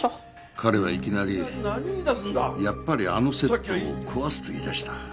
彼はいきなりやっぱりあのセットを壊すと言い出した。